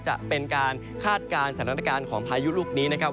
จะเป็นการคาดการณ์สถานการณ์ของพายุลูกนี้นะครับ